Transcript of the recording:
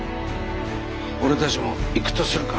俺たちも行くとするか。